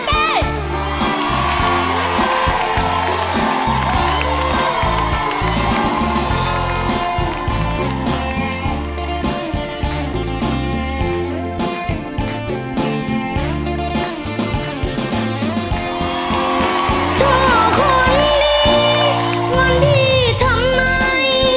ทุกคนดีงอนพี่ทำไม